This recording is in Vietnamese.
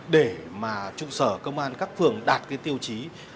để trụ sở công an các phường đạt tiêu chí